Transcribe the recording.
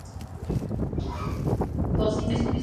Inicialmente iba a denominarse "Estación de Carlos Haya".